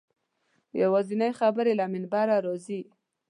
یوازینۍ خبرې له منبره راځي.